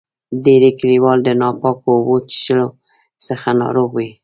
ډیری کلیوال د ناپاکو اوبو چیښلو څخه ناروغ وي.